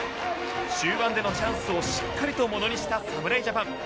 終盤でのチャンスをしっかりとものにした侍ジャパン。